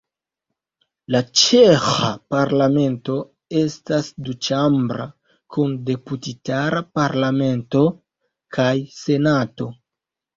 La ĉeĥa Parlamento estas duĉambra, kun Deputitara Parlamento kaj Senato.